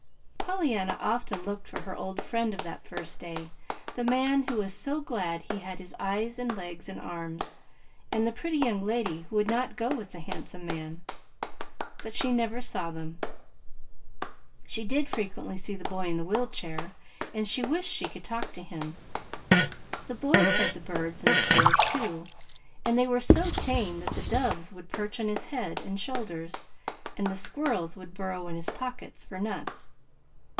Pollyanna often looked for her old friends of that first day the man who was so glad he had his eyes and legs and arms, and the pretty young lady who would not go with the handsome man; but she never saw them. She did frequently see the boy in the wheel chair, and she wished she could talk to him. The boy fed the birds and squirrels, too, and they were so tame that the doves would perch on his head and shoulders, and the squirrels would burrow in his pockets for nuts.